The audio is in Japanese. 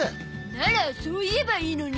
ならそう言えばいいのに。